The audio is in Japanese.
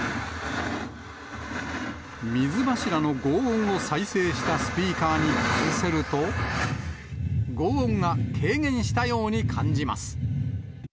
水柱のごう音を再生したスピーカーにかぶせると、ごう音が軽減したように感じます。